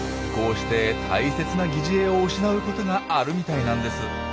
こうして大切な擬似餌を失うことがあるみたいなんです。